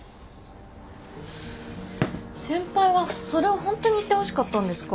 先輩はそれをホントに言ってほしかったんですか？